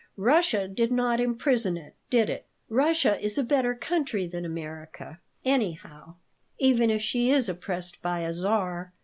"Russia did not imprison it, did it? Russia is a better country than America, anyhow, even if she is oppressed by a czar.